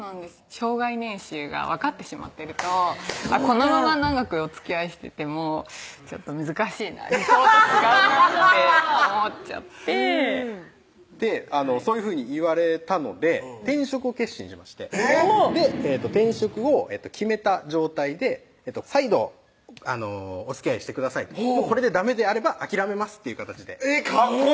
生涯年収が分かってしまってるとこのまま長くおつきあいしててもちょっと難しいな理想と違うなって思っちゃってでそういうふうに言われたので転職を決心しましてえぇっ⁉転職を決めた状態で再度「おつきあいしてください」と「これでダメであれば諦めます」っていう形でかっこいい！